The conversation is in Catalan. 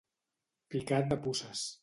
Picat de puces.